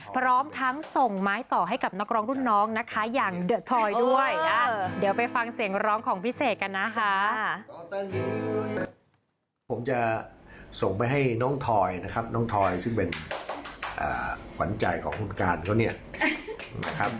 ผมจะส่งไปให้น้องทอยนะครับน้องทอยซึ่งเป็นหวันใจของคุณการเขานี่นะครับ